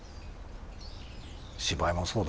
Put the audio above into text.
芝居もそうだ。